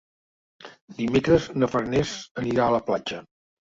Dimecres na Farners anirà a la platja.